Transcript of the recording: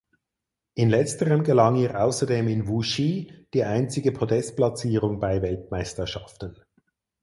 In letzterem gelang ihr außerdem in Wuxi die einzige Podestplatzierung bei Weltmeisterschaften.